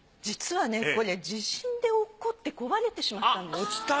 実はねこれ地震で落っこって壊れてしまったんです。